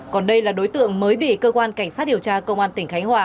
còn đây là đối tượng mới bị cơ quan cảnh sát điều tra công an tỉnh khánh hòa